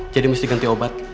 jadi mesti ganti obat